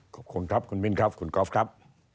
ขอบคุณครับคุณมิ้นครับคุณกอล์ฟครับ